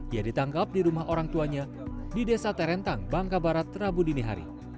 ia ditangkap di rumah orang tuanya di desa terentang bangka barat rabu dinihari